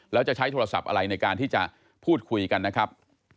แล้วจะใช้โทรศัพท์อะไรในการที่จะพูดคุยกันนะครับ